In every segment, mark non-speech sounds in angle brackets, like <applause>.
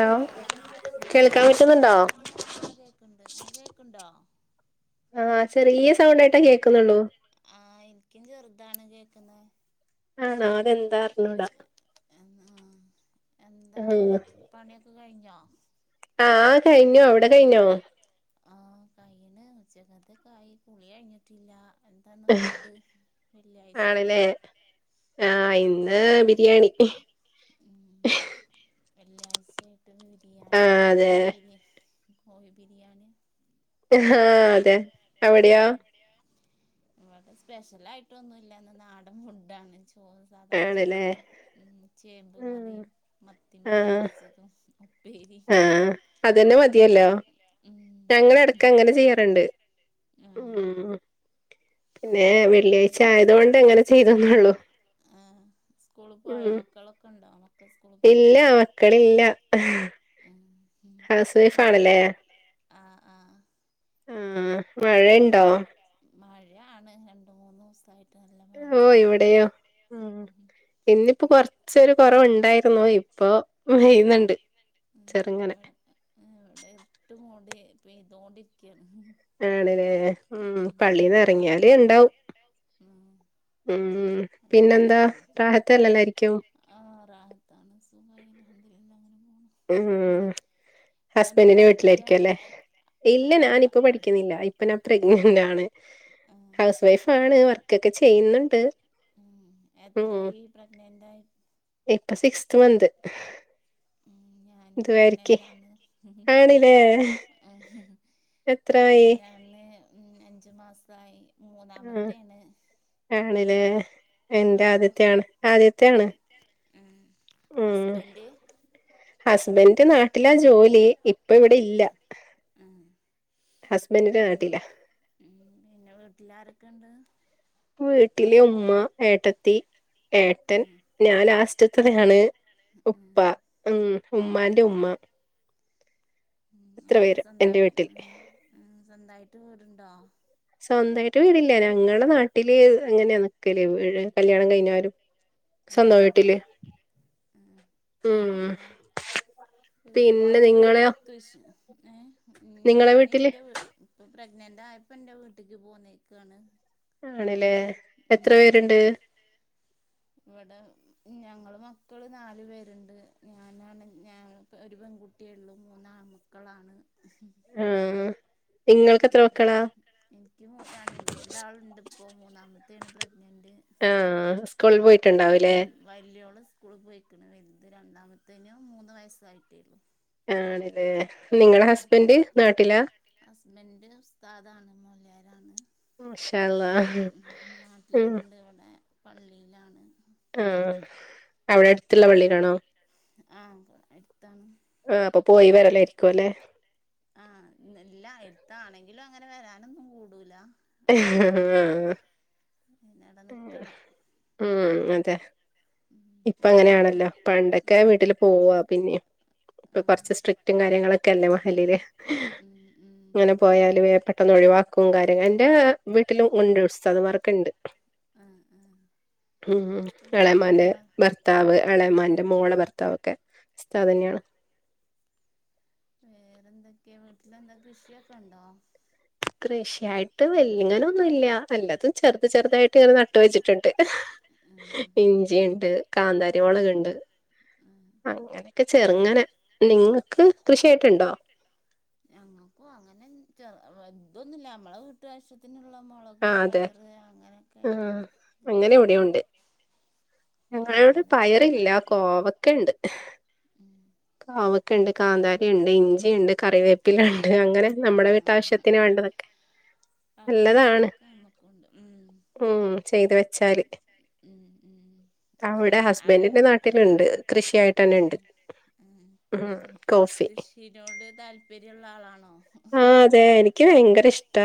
Hello ആ കേൾക്കാൻ പറ്റുന്നുണ്ടോ കേക്കണില്ലേ ആ കേക്കുണ്ട് ങ്ങക്ക് കേക്കുണ്ടോ ആഹ ചെറിയ സൗണ്ടായിട്ടാ കേക്കുന്നുള്ളൂ ആ എനരിക്കും ചെറുതാണ് കേക്കുന്നത് ആഹ നാലെന്താ അറിഞ്ഞൂടാ എന്നാ ആ എന്താ ഉം പണിയൊക്കെ കഴിഞ്ഞോ ആ കഴിഞ്ഞോ അവിടെ കഴിഞ്ഞോ ആ കയ്ണ് ഉച്ചക്കത്തെക്കായി കുളി കയ്ഞ്ഞിട്ടില്ല എന്താന്ന് ഫുഡ് വെള്ളിയാഴ്ചൊക്കെ ആണല്ലേ ല്ലെ ആഹ് ഇന്ന് ബിരിയാണി ഉം വള്ളിയാഴ്ചായിട്ട് ബിരിയാണിയാ ആഹ് അതെ കോഴിബിരിയാണി കോയ് ബിരിയാണി ഹാ ഹ അതെ അവിടെയോ എവിടെയാ വടെ സ്പെഷ്യലായിട്ടൊന്നുല്ല ന്ന് നാടൻ ഫുഡാണ് ചോ സാധാ ആണല്ലേ ചോറും ഉം ചേമ്പ് ഉം കറിയും മത്തിമീൻ പൊരിച്ചതും ഉപ്പേരിയും ആഹ അതന്നെ മതിയല്ലോ ഉം ഞങ്ങള് എടക്ക് അങ്ങനെ ചെയ്യാറുണ്ട് ആഹ് ഉം പിന്നെ പിന്നെ വെള്ളിയായ്ച്ചയതുകൊണ്ട് അങ്ങനെ ചെയ്തൊന്നെള്ളൂ ആ സ്കൂള പോയോ മക്കളൊക്കെണ്ടോ മക്കൾ സ്കൂളിൽ പോയോ ഇല്ല ഹൗസ് മക്കളില്ല വൈഫ് ഉ ആണല്ലേ ആഹ് ആഹ ആ മഴണ്ടോ മഴാണ് രണ്ട് മൂന്നുസായിട്ട ല്ല ഓ മഴയാണ് ഇവിടെയോ ഉം ഇന്നിപ്പോ കൊറച്ചൊരു കുറവുണ്ടായിരുന്നു ഇപ്പൊ പ്പെയ്യുന്നുണ്ട് ചെറുങ്ങനെ എ വിടെ ഇര്ട്ട് മൂടി പെയ്തോണ്ടിരിക്കാണ് ആണ് ലേ ഉം വെളീന്ന ഇറങ്ങിയാലേ ണ്ടാവും ഉം പിന്നെന്താ റാഹത്തല്ലെല്ലായിരിക്കും. ആറാഹത്താണ് സുഖയിന അൽഹംദരില്ല അങ്ങനെ പോണ്. ഉം ഹസ്ബൻഡിന്റെ പഠിക്കാ വീട്ടിലായിരിക്കും അല്ലെ ഇല്ല അല്ല ഞാനിപ്പ പഠിക്കുന്നില്ല. അപ്പൊ ഞാൻ പ്രഗ്നന്റ് ആണ് ആ ഹൗസ് വൈഫ ആണ് വർക്കൊക്കെ ചെയ്യുന്നുണ്ട്. ഉം ഉം എത്രയി പ്രഗ്നന്റ് ആയി. ഇപ്പൊ സിക്സ്ത് മന്ത്. ഉ ഞാനും ഇതുവരക്ക് പ്രഗ്നൻഡാണ്. ആണില്ലേ എത്രായി പ്രഗ്നൻറ് ആണ് അഞ്ച് മാസായി. മൂന്നാമത്താണ്. ആണ് ല്ലേ എന്റെ ആദ്യത്ത ആണ് ആദ്യത്ത ആണ്. ഉം ഉം ഉം ഹസ്ബൻഡ് നാട്ടിലാ ഹസ്ബൻഡ് നാട്ടിലാ ജോലി ഇവിടെ ഇപ്പ ഇവിടെല്ല. ഹസ്ബൻഡന്റെ നാട്ടിലാ. ഉം പിന്നെ വീട്ടിൽ ആരൊക്കെണ്ട്? വീട്ടില് ഉമ്മ. ഏട്ടത്തി, ഏട്ടൻ, ഉം ഞാൻ ലാസ്റ്റത്ത ആണ്, ഉപ്പ. ഉം ഉം ഉമ്മാന്റെ ഉമ്മ. ഉ ഇത്ര എങ്ങനെ പേര് എന്റെ സ്വന്തയി വീട്ടിൽ ഉം സ്വന്തായിട്ട് വീട്ണ്ടോ? സ്വന്തായിട്ട് വീടില്ല ഞങ്ങൾ നാട്ടില് അങ്ങനാ നിക്കല് കല്യാണം കഴിഞ്ഞലും. ആ ആ സ്വന്തം വീട്ടില് ഉം പിന്നെ വീട്ടില് പിന്നെ എന്താ നിങ്ങളെയോ <unintelligible> ഏ നിങ്ങളെ ഞാന് വീട്ടില് ന്റെ ഇപ്പൊ പ്രഗ്നന്റ് ആയപ്പോ ന്റെ വീട്ടിക്ക് പോന്നേക്കാണ്. ആണ് ലേ എത്ര പേരുണ്ട്? വടെ ഞങ്ങള് മക്കള് നാലു പേരുണ്ട്. ഞാനാണ് ഞ ഒരു പെൺകുട്ടിയേള്ളൂ. മൂന്നാ ആമക്ക ക്കളാണ് ആഹ എനിക്ക് രണ്ടളുണ്ട് ഇപ്പോ മൂന്നാമത്തെയാണ് പ്രഗ്നന്റ്. ആ സ്കൂളിൽ പോയിട്ടുണ്ടാവൂലേ? വലിയോള് സ്കൂളിൽ പോയിക്ക്ണ്. വൽത് രണ്ടാമത്തേന് മൂന്ന് വയസ്സായിട്ടേള്ളൂ. ആണല്ലേ നിങ്ങളെ ഹസ്ബൻഡ് നാട്ടില. ഹസ്ബന്ഡ് ഉസ്താദാണ്. മൊയ്‌ലാ ഞാന് മാഷാ അള്ളാ ഉം നാട്ടിലുണ്ട് ഇവിടെ. പള്ളിയിലാണ്. ആ അവിടെ അടുത്തുള്ള പള്ളിയിലാണോ? ആഹ എടുത്താണ്. ആഹ അപ്പൊ പോയിവരെല്ലോ ആരിക്കും അല്ലെ? ആഹ്ല് ല എടുത്താണെങ്കിലും അങ്ങനെ വരാനൊന്നും കൂടൂല. ആഹ് പിന്നെട നികക്കണം. ഉം അതെ. ഉം ഇപ്പ പിന്നെ അങ്ങനെയാണല്ലോ വീ പണ്ടൊക്കെ ഉം വീട്ടില് പോവാ പിന്നിം. ഇപ്പ ആഹ് കുറച്ച് സ്ട്രിക്റ്റും കാര്യങ്ങളൊക്കെ അല്ലേ മഹലിയില്. ഉം ഉം ഇങ്ങനെ പോയാല് പെട്ടെന്ന് ഒഴിവാക്കും. കാര്യങ്ങള എന്റെ വീട്ടിലും ഉണ്ട്. ഉസ്തദ് മാര്ർക്കെ ഉണ്ട്. ആഹ ഉ അളേമാന്റെ വേ ഭർത്താവ്, അളയമാന്റെ ഉം മോളെ ഭർത്താവ്, ഒക്കെ ഉസ്താദ് തന്നെയാണ്. വേറെന്തൊക്കെയാ വീട്ടില് എന്തൊ കൃഷിയൊക്കെ ഉണ്ടോ? കൃഷിയായിട്ട് വെല്ലിങ്ങനൊന്നും ഇല്ല. വലതും ചെറുത് ചെറുതായിട്ട് ഇങ്ങനെ നട്ട് വെച്ചിട്ടുണ്ട്. ഉം ഇഞ്ചിയുണ്ട്. കാന്താരിമളക് ഉണ്ട്. ഉം അങ്ങനെയൊക്കെ ചെറുങ്ങനെ നിങ്ങൾക്ക്. കൃഷിയായിട്ട്ഉണ്ടോ? ഞങ്ങൾക്കും അങ്ങനെ ചെ വലുതൊന്നും ഇല്ല. നമ്മളെ അത്യാവശ്യത്തിനുള്ള മുളക് ആഹ് അതെ പയറ് അങ്ങനെയൊക്കെ ആയിട്ട് ആഹ് അല്ലാതെ ഞങ്ങളോട് അല്ലാതെ പയറില്ല കോവക്കുണ്ട് ഉം കോവ ക്കെ ഉണ്ട് കാന്താരി ഉണ്ട് ഇഞ്ചിണ്ട് കറിവേപ്പില ഉണ്ട് അങ്ങനെ നമ്മുടെ വീട്ടാവശ്യത്തിന് വേണ്ടത് ക്കെ അങ്ങനെള്ള ഉണ്ട് ഉം ഉം ചെയ്ത് വെച്ചാല് ഉം ഉം അവിടെ ചെയ്യാൻ അങ്ങെ ഹസ്ബൻഡിന്റെ നാട്ടിലുണ്ട് നാട്ടിൽ കൃഷിയായിട്ടന്നെണ്ട് ഉണ്ട്. ഉം ഉം കൃഷിനോട് താല്പര്യ ഉുള്ള ആളാണോ ആഹ് അതെ എനിക്ക് ഭയങ്കര ഇഷ്ട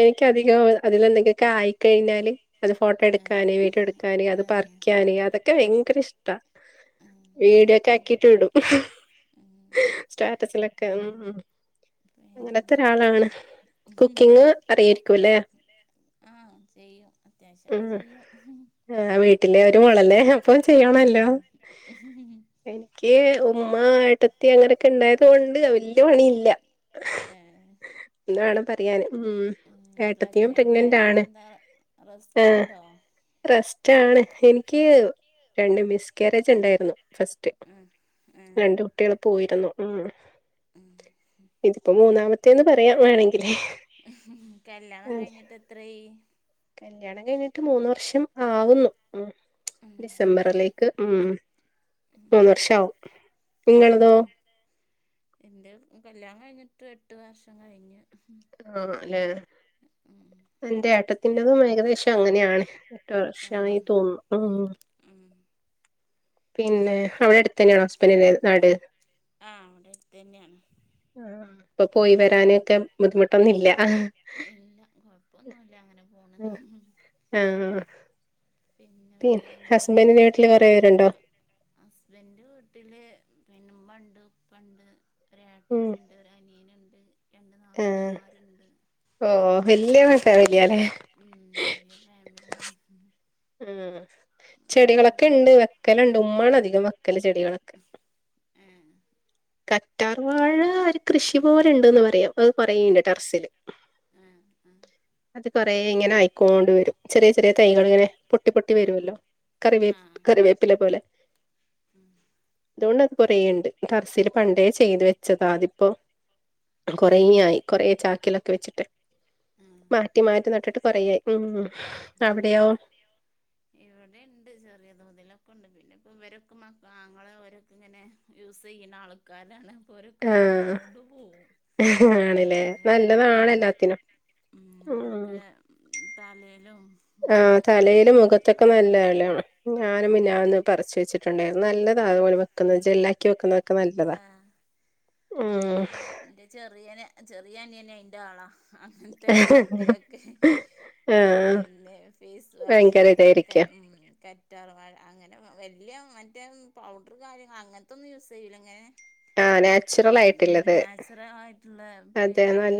എനക്ക്ധികം അതിൽ എന്തെ ക്കെ ആയിക്കഴിഞ്ഞാല് അത് ഫോട്ടോ എടുക്കാന് ഏഹ് വീട്ടിയോ എടുക്കാന് അത് ഏഹ് പറിക്കാന് അതൊക്കെ ഭയങ്കര ഇഷ്ട്ട ഉം വീഡിയോക്ക ആക്കിട്ട് വിടും ഉം സ്റ്റാറ്റസില് ക്കെ ഉം അങ്ങനത്തെ പിന്നെ ഒരാളാണ് കുക്കിങ് അറിയയിരിക്കും അല്ലേ ആഹ് ചെയ്യും അത്യാവശ്യം ഒക്കെ ഉം ചെയ്യും ആഹ് വീട്ടിലെ ഒരു മോളല്ലേ അപ്പൊ ഉം..... ചെയ്യണല്ലോ ഹു <inaudible> എനിക്ക് ഉമ്മ ആട്ടത്തി അങ്ങനെയൊക്കെ ഉണ്ടായത് കൊണ്ട് വല് ല്യ പണില്ല ഏഹ് എന്നുവേണം പ ഉം ഏട്ടത്തിയും പ്രഗ്നന്റ് ആണ് റെസ്റ്റ് ആഹ് ഇണ്ടോ റെസ്റ്റ് ആണ് എനിക്ക് രണ്ട് മിസ്കാരേജ് ഉണ്ടായിരുന്നു ന്നു ഫസ്റ്റ് ഉം ഉം രണ്ട് കുട്ടികള് പോയിരുന്നു ഉം ഉം ഇതിപ്പോ മൂന്നാമത്തെ കല്യാണം അതെ കഴിഞ്ഞിട്ട് എത്രയായി കല്യാണം കഴിഞ്ഞിട്ട് മൂന്ന് വർഷം ആവുന്നു ഉം ഉം ഡിസംബറിലേക്ക് ഉം മൂന്ന് വർഷ ആവും നിങ്ങളതോ എന്റെ കല്യാണം കഴിഞ്ഞിട്ട് എട്ട് വർഷം കഴിഞ്ഞ് ആഹ് അല്ലെ ഉം എന്റെ ട്ടത്തിഡാതും ഏകദേശം അങ്ങനെയാണ് എട്ടു ആ വർഷമായി തോന്നുന്നു ഉം.... ഉം പിന്നെ അവിടെ അടുത്ത് തന്നെയാണ് ഹസ്ബൻഡിൻ്റെ നാട് ആഹ് അവിടെ അടുത്ത് തന്നെയാണ് ആഹ് ഇപ്പൊ പോയി വ പോയിവരാൻ ഒക്കെ ഇല്ല കൊഴപ്പൊന്നുമില്ല അങ്ങനെ പോണ് ആഹ് പിന്നെ പി വേറെന്താ ഹസ്ബൻഡിന്റെ വീട്ടില് കൊറേ ചെടിയൊക്കെ പേരുണ്ടോ ഉണ്ടോ ഹസ്ബൻഡന്റെ വീട്ടില് പിന്നെ ഉമ്മുണ്ട് ഉപ്പ ഉണ്ട് ഒരു ഉം ഏട്ടനുണ്ട് ഒരു അനിയനണ്ട് രണ്ട് നാത്തൂമാരുണ്ട് ഓ വല്ഫാമിലിയല്ലല്ലേ ഉം വലിയ ഫാമിലിയാണ് ഉം അങ്ങനെ ചെടികളൊക്കെ സുഖല്ല ഉണ്ട് വെക്കലുണ്ട് ഉമ്മാണധികം വെക്കൽ ചെടികളൊക്കെ ഏഹ് കറ്റാർവാഴ ര് കൃഷി പോലെ ഉണ്ട്ന്ന് പറയാം അത് കുറേയുണ്ട് ടെറസില് ആ അത് കൊറെ ഇങ്ങനെ ആയിക്കോണ്ട വരും ചെറിയ ചെറിയ ആ തൈകൾ ഇങ്ങനെ പൊട്ടി പൊട്ടി വരുമല്ലോ ആ ആ കറിവേപ്പ് കറിവേപ്പിലെ പോലെ ഉം അതുകൊണ്ട് അത് കൊറേ ഉണ്ട് ടറസില് പണ്ടേ ചെയ്തു വെച്ചതാ അതിപ്പോ കൊറേങ്ങ്യായി കൊറേ ചാക്കിലൊക്ക വെച്ചിട്ട് ആഹ് മാറ്റി മാറ്റ് നട്ട്ട്ട് കൊറേയായി. ഊം അവിടെയോ? ഇവിടെണ്ട് ചെറിയ തോതിലൊക്കൊണ്ട്. പിന്നപ്പം വരൊക്ക മക്കാങ്ങള ഓരൊ ക്കെങ്ങനെ യൂസെയ്യന്നാൾക്കാരാണ്. ആഹ് പ്പോരൊക്കെങ്ങനെടുത്തോണ്ട് പോകു. ആണ്ല്ലേ നല്ലതാണ് എല്ലാത്തിനും <inaudible> ഉം ഒരൊക്കെ തലേലും ആഹ് തലേലും മുഖത്തൊക്കെ നല്ലാലോ ഞാനും ഉം പിന്നാന്ന് പറച്ച് വെച്ച് <unintelligible> നല്ലതാ അതപോലെ വെക്കുന്നത് ജെല്ലാക്കി വെക്കുന്നൊക്ക നല്ലതാ ഉം അങ്ങെൻ ന്റെ ചെറിയന് ചെറിയനിയനയിന്റാളാ <unintelligible> ത്തേ കാര്ത്തിലൊക്കെ ആഹ് പിന്നെ ഫെയ്സ് ഭയങ്കര വാഷും ഇതായിരിക്കും <inaudible> റ്റാർവാഴ അങ്ങനെ വല്ല്യ മറ്റേ പൗഡ്‌റ് കാര്യങ്ങ അങ്ങൻ തൊന്നു യൂസെയ്യൂല ങ്ങനെ ആഹ്‌ നാച്ചുറലായി ഉം നാച്ചുറ ആയിട്ടുള്ള പിന്നെയി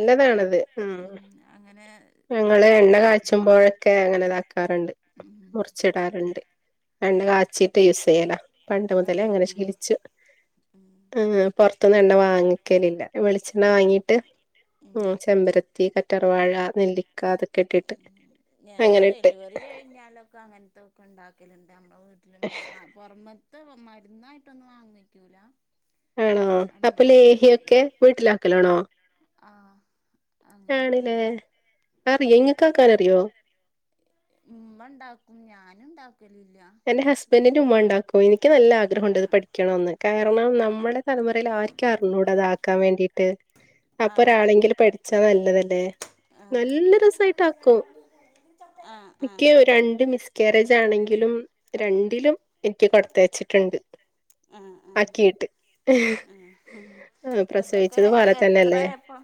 ഉം അങ്ങനെ ഞങ്ങള് ഇതൊക്കെ എണ്ണ ജെൽ കാച്ചുമ്പോഴൊക്കെ അങ്ങന താക്കാറ്ണ്ട്. ഉം മുർച്ച്ടാറ്ണ്ട്. എണ്ണ കാച്ചിട്ട് യൂസെയ്യലാ. പണ്ട് മുതലേ ങ്ങന ശീലിച്ച്. ഊം <unintelligible> പൊർത്ത്ന്നെണ്ണ വാങ്ങിക്കലില്ല വെളിച്ചെണ്ണ വാങ്ങീട്ട് ഉം ചെമ്പര ത്തി കറ്റർവാഴ, നെല്ലിക്കാതൊക്കെട്ടിട്ട് ഞാനും അഅ്ങ്ങനട്ട് ക്കൊണ്ടാക്കല്ണ്ട്. നമ്മ്ള വീട്ട്‌ല്‌ള്ള സ പൊർമത്തഅ മരുന്നായിട്ടൊന്നു വാങ്ങിക്കൂല ആണോ? അപ്പ നമ്മളെ വീട്ടിൽ ലേഹ്യൊക്കെ വീട്ട്ലാക്കലാണോ? ആഹ്. അങ്ങനെ ആണ്ല്ലേ. തന്നെ ആറിയൊ ഇങ്ങക്കാക്കാനറിയോ? മ്മ ണ്ടാക്കും ഞാന്ണ്ടാക്കല്‌ല്ല. എന്റെ ഹസ്ബന്റിന്റുമ്മാ ണ്ടാക്കു എനിക്ക് നല്ല ആഗ്രഹൊണ്ട് ത് ആഹ് പഠിക്കണോന്ന് കാരണം നമ്മള് ത്തലമുറയിലാരിക്കർഞ്ഞൂട താക്കാം വേണ്ടിട്ട്. ആഹ് അപ്പൊരാളെങ്കില് പഠിച്ചാ നല്ലതല്ലേ? ആഹ് നല്ല രസായിട്ടാക്കു ആഹ് ആഹ് നിക്ക്യു രണ്ട് മിസ്‌കേരേജാണെങ്കിലും രണ്ടിലും എൻക്കി കൊട്ത്തയച്ച്ട്ട്‌ണ്ട് ആഹ് ആഹ് അക്കീട്ട് ങ് ആഹ് ഹ് ആ ഇതൊക്കെ പ്രസവിച്ചതു പോല എത്രയപ്പ എത്ര തെന്നെല്ലേ ഇപ്പം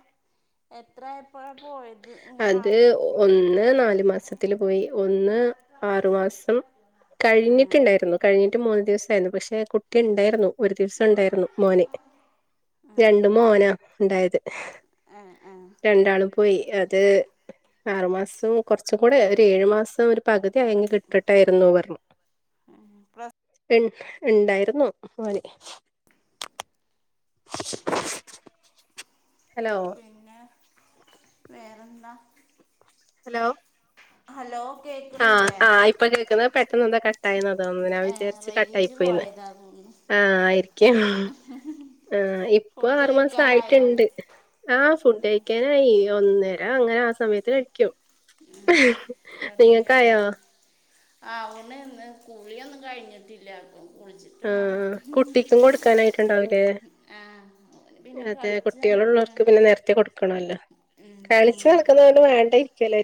എത്രായപ്പോഴാ പോയത് ഇങ്ങനെ അത് ആയത് ഒന്ന് നാല് മാസത്തില് പോയി ഒന്ന് <unintelligible> ആഹ് കഴിഞ്ഞിറ്റ്ണ്ടായിരുന്നു. കഴിഞ്ഞിറ്റ് മൂന്ന് ദിവസായിരുന്നു. പക്ഷെ കു റ്റ്ണ്ടായിരുന്നു ഒരു ദിവസണ്ടായിരുന്നു മോന് രണ്ട് മോനാ ണ്ടായത് <inaudible> എ ഏഹ് രണ്ടാള് പോയ്. അത് ആറുമാസൊം കൊർച്ചും കൂടെ ഒരേഴു മാസൊം ര് പക്‌തി അയ്ഞ്ഞ് ക് ട്ട ട്ടായിരുന്നു വർ ഉം പ്രസ് <unintelligible> ഇണ്ടായിരുന്നു മോന് <inaudible> ഹലൊ പിന്നേ വേറന്താ? ഹലൊ അലോ ആ ആ ഇപ്പ കേക്കുന്ന്. പെട്ടെന്നെന്തൊ കട്ടായിന്നാ തോന്നെ നാ ഏഹ് വിചാര്ച്ച് കട്ടായി റേഞ്ച് പോയീന്ന് പോയതാ തോന്നുന്നു ആ ആയ്‌ര്ക്യും ഹ് <unintelligible> ആഹ് ഫുഡ് കഴിക്കാനായോ ഇപ്പാറുമാസായിട്ട്ണ്ട്. ആ ഫുഡയിക്കാൻ <unintelligible> ഒന്ന് രങ്ങനാ സമയത്തിനടിക്കു <inaudible> <unintelligible> ആവണ് ന്ന് കുളിയൊന്നും കഴിഞ്ഞിട്ടില്ല കുള്ച്ച്‌ട്ട് വാ <inaudible> ആഹ് കുട്ടിക്കും കൊടുക്കാനായിട്ടുണ്ടാവൂലേ ആഹ് പിന്നെ കളിച് നടക്കാണ്. ക്കണോല്ലോ? ഉം ഉം കളിച്ച് നടക്കുന്നൊണ്ട് വേണ്ട യിരിക്കല്ലെ?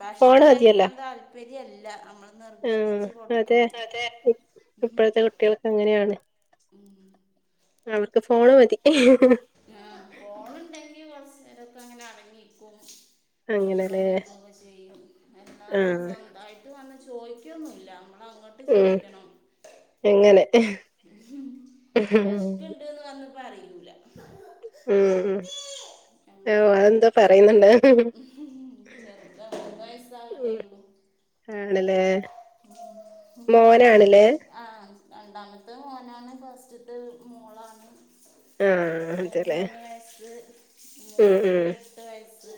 ഭക്ഷണം കഴിക്കാൻ താല്പര്യല്ല. നമ്മള് നിർബന്ധിച്ച് കൊടുക്കണം. ക്കണം. അതെ. ഇ- ഇപ്പോഴത്തെ കുട്ടികളൊക്കെ അങ്ങനെയാണ്. ഉം അവർക്ക് ഫോണ് മതി. ആ. ഫോൺ ന്ടെങ്ങി കൊറച്ചെരോക്കെ, അങ്ങനെ അടങ്ങിക്കും. ഭക്ഷണം അങ്ങനെല്ലേ കഴിക്കൊക്കെ ചെയ്യും. അല്ലാതെ ആഹ് സ്വന്തമായിട്ട് ട്ട് വന്ന് ചോയ്ക്കൊന്നുല്ല. നമ്മള് അങ്ങട്ട് ട്ട് ഉം ചോയ്ക്കണം. അങ്ങനെ വെഷ് ക്കണ് ഉം ന്ന് വന്ന് പറയൂലാ. ഉം, ഉം. ഞങ്ങ <unintelligible> ചെറുതാ ഒരു വയസ്സാവണേള്ളു. ആണ്ല്ലേ? മോനാണ് ല്ലേ? ആ. രണ്ടാമത്തെ മോനാണ്, ഫസ്റ്റത്തെ മോളാണ്. ആഹ് ഓന് അതെല്ലേ മൂന്ന് വയസ്സ്. ഉം ഉം മോക്ക് എട്ട് വയസ്സ്.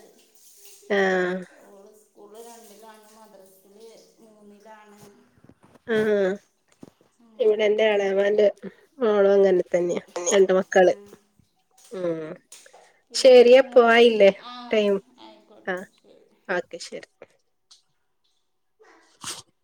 ആഹ് ഓള് സ്കൂള് രണ്ടിലാണ്, മദ്രസില് മൂന്നിലാണ്. ആഹ്, ആഹ്. ഇവിടെ എന്റെ അങ്ങനൊക്കെ എളാമാന്റെ മോളും അങ്ങനെ തന്നെയാ, രണ്ട് ആ, മക്കള്. ഉം. ശരി പിന്നെ അപ്പോ ആയില്ലേ? ശ- ആ ടൈം? ആയിക്കോട്ടെ ശരി ഓക്കെ. ശരി. <inaudible>